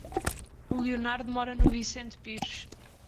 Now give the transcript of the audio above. O Leonardo mora no Vicente Pires.